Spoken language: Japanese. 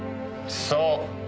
そう。